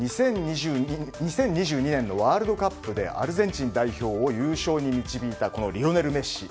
２０２２年のワールドカップでアルゼンチン代表を優勝に導いたリオネル・メッシ。